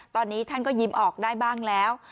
ตอนนี้ท่านก็ยิ้มออกได้บ้างแล้ว